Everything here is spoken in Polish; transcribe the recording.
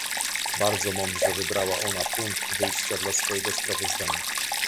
Bardzo mądrze wybrała ona punkt wyjścia dla swojego sprawozdania